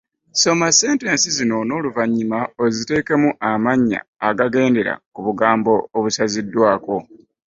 Soma sentensi zino n’oluvannyuma oziteekemu amannya agagendera ku bugambo obusaziddwako.